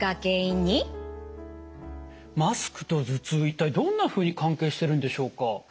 マスクと頭痛一体どんなふうに関係してるんでしょうか？